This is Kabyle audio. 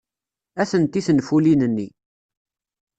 Atenti tenfulin-nni.